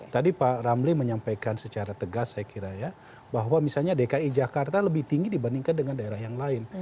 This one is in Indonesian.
tadi pak ramli menyampaikan secara tegas saya kira ya bahwa misalnya dki jakarta lebih tinggi dibandingkan dengan daerah yang lain